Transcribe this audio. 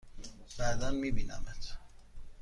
بعدا می بینمت!